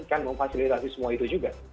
kan memfasilitasi semua itu juga